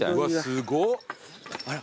すごっ！